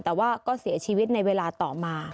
แต่ว่าก็เสียชีวิตในเวลาต่อมา